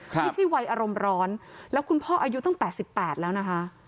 ไม่ใช่วัยอารมณ์ร้อนแล้วคุณพ่ออายุตั้ง๘๘แล้วนะคะ